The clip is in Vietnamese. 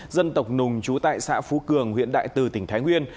dân tộc nùng chú tại xã phú cường huyện đại từ tỉnh thái nguyên